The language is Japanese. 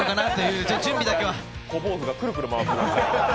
小坊主がくるくる回ってました。